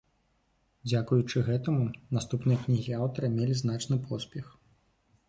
Дзякуючы гэтаму наступныя кнігі аўтара мелі значны поспех.